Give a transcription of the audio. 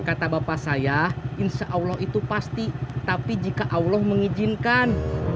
kata bapak saya insya allah itu pasti tapi jika allah mengizinkan